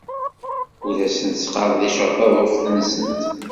Ur asent-sqerdiceɣ taḍuft-nsent.